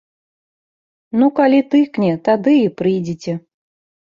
Ну калі тыкне, тады і прыйдзеце.